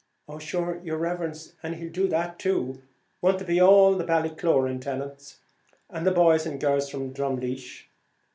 "Oh shure, yer riverence, an' he'll do that too; won't there be all the Ballycloran tenants, and the boys and girls from Drumleesh?"